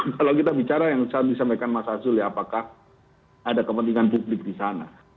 kalau kita bicara yang disampaikan mas azul ya apakah ada kepentingan publik di sana